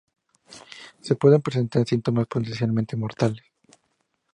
Se pueden presentar síntomas potencialmente mortales.